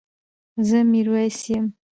زه ميرويس يم